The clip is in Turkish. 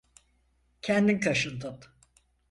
Kendin kaşındın.